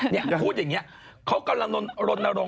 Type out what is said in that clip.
อย่างเงี้ยเขากำลังลดลง